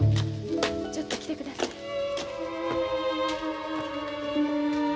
ちょっと来てください。